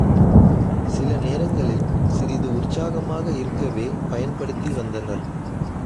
சில நேரங்களில் சிறிது உற்சாகமாக இருக்கவே பயன்படுத்திவந்தனர்.